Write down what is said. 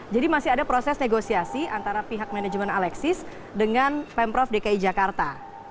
jadi masih ada proses negosiasi antara pihak manajemen alexis dengan pemprov dki jakarta